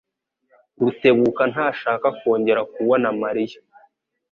Rutebuka ntashaka kongera kubona Mariya.